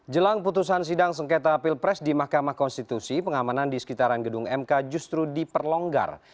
jelang putusan sidang sengketa pilpres di mahkamah konstitusi pengamanan di sekitaran gedung mk justru diperlonggar